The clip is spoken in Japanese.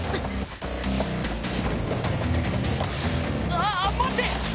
ああっ待って！